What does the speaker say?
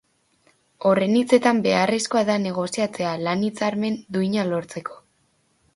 Horren hitzetan, beharrezkoa da negoziatzea lan hitzarmen duina lortzeko.